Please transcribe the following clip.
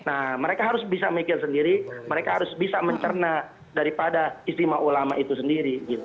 nah mereka harus bisa mikir sendiri mereka harus bisa mencerna daripada istimewa ulama itu sendiri